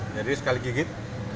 jadi sekali gigit